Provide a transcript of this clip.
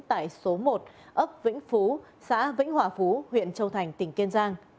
tại số một ấp vĩnh phú xã vĩnh hòa phú huyện châu thành tỉnh kiên giang